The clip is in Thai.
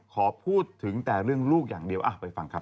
ขอพูดถึงแต่เรื่องลูกอย่างเดียวไปฟังครับ